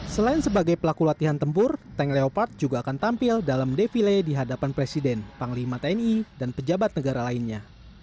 selain sebagai pelaku latihan tempur tank leopard juga akan tampil dalam defile di hadapan presiden panglima tni dan pejabat negara lainnya